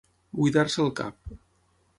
Buidar-se el cap.